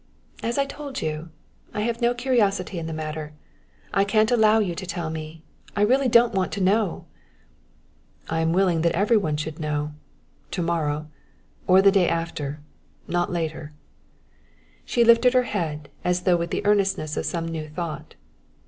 As I told you, I have no curiosity in the matter. I can't allow you to tell me; I really don't want to know!" "I am willing that every one should know to morrow or the day after not later." She lifted her head, as though with the earnestness of some new thought.